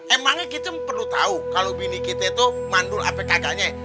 emangnya kita perlu tahu kalau bini kita itu mandul apkk nya